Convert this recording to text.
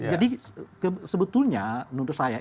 jadi sebetulnya menurut saya